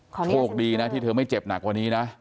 โชคดีนะที่เธอไม่เจ็บหนักกว่านี้นะ